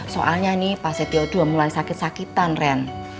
soalnya nih pak setia ii mulai sakit sakitan ren